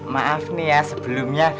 maaf nih ya sebelumnya